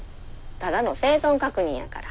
ただの生存確認やから。